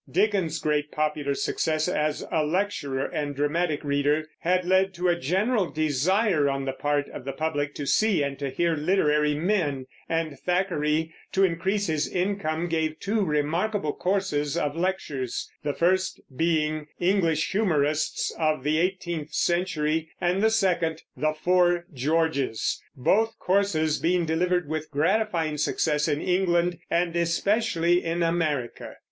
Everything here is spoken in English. Dickens's great popular success as a lecturer and dramatic reader had led to a general desire on the part of the public to see and to hear literary men, and Thackeray, to increase his income, gave two remarkable courses of lectures, the first being English Humorists of the Eighteenth Century, and the second The Four Georges, both courses being delivered with gratifying success in England and especially in America.